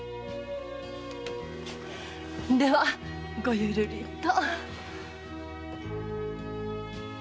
ではごゆるりと。